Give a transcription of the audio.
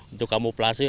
untuk kamu pelan pelan